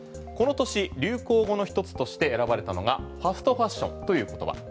この年、流行語の一つとして選ばれたのがファストファッションという言葉。